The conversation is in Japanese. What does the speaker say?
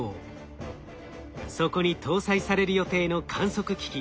そこに搭載される予定の観測機器